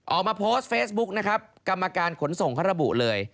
ออกมาโพสต์เฟซบุ๊กกรรมการขนส่งฮรบุเลย